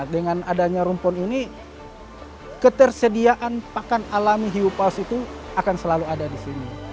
dengan adanya rumpon ini ketersediaan pakan alami hiu paus itu akan selalu ada di sini